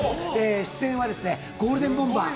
出演はゴールデンボンバー